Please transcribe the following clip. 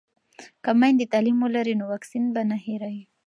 که میندې تعلیم ولري نو واکسین به نه هیروي.